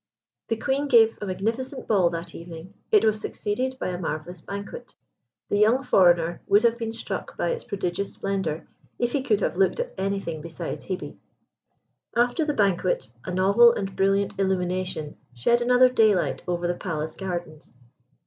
The Queen gave a magnificent ball that evening; it was succeeded by a marvellous banquet. The young foreigner would have been struck by its prodigious splendour, if he could have looked at anything besides Hebe. After the banquet, a novel and brilliant illumination shed another daylight over the palace gardens.